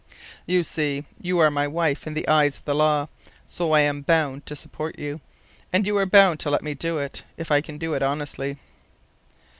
You see, you are my wife in the eyes of the law, so I'm bound to support you. And you're bound to let me do it, if I can do it honestly."